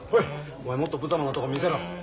お前もっとぶざまなとこ見せろ。